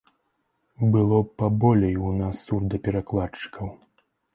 Было б паболей у нас сурдаперакладчыкаў.